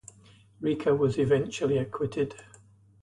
Ricca was eventually acquitted.